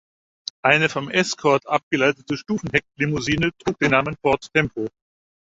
Eine vom Escort abgeleitete Stufenhecklimousine trug den Namen Ford Tempo.